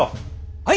はい！